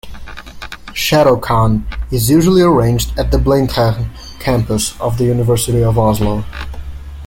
ShadowCon is usually arranged at the "Blindern" campus of the University of Oslo.